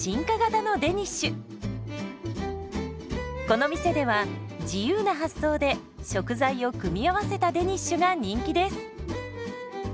この店では自由な発想で食材を組み合わせたデニッシュが人気です。